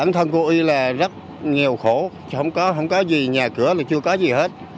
bản thân cô y là rất nghèo khổ không có gì nhà cửa là chưa có gì hết